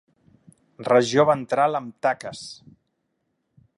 Regió ventral amb taques.